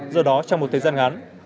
do đó trong một thời gian ngắn